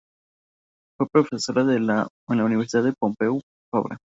Fue profesora en la Universidad Pompeu Fabra.